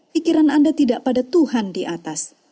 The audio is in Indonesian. pikiran anda tidak pada tuhan di atas